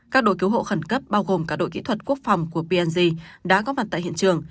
các đội cứu hộ khẩn cấp bao gồm cả đội kỹ thuật quốc phòng của png đã có mặt tại hiện trường